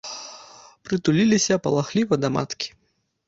Прытуліліся палахліва да маткі.